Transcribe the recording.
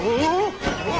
うわ！